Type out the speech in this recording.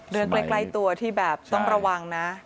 ใกล้ตัวที่แบบต้องระวังนะ